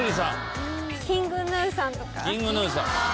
ＫｉｎｇＧｎｕさん。